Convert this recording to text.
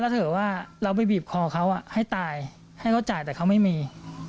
เถอะว่าเราไปบีบคอเขาให้ตายให้เขาจ่ายแต่เขาไม่มี